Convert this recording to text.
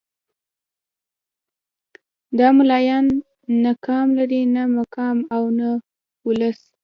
دا ملايان نه قام لري نه مقام او نه ولس.